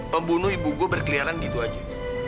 pembunuh ibu gue berkeliaran di situ aja